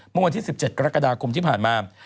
เมื่อวันที่๑๗กรกฎาคมที่ผ่านมา